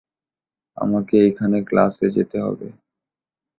আমাকে এখানে ক্লাসে যেতে হবে।